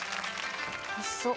おいしそう。